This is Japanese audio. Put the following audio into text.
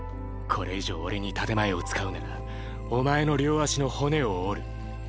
これ以上俺に建て前を使うならお前の両脚の骨を折る。